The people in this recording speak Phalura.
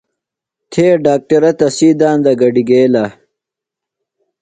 تھے ڈاکٹرہ تسی داندہ گڈیۡ گیلہ۔